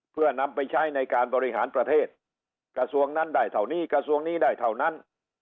เพื่อนำไปใช้ในการบริหารประเทศกระทรวงนั้นได้เท่านี้กระทรวงนี้ได้เท่านั้น